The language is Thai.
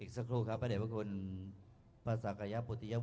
สักครู่ครับพระเด็จพระคุณพระศักยปุติยะ